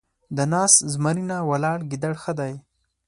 د ناست زمري نه ، ولاړ ګيدړ ښه دی.